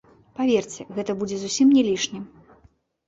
Паверце, гэта будзе зусім не лішнім.